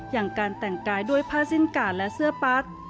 อย่างการแต่งกายด้วยผ้าสิ้นกาดและเสื้อปั๊ก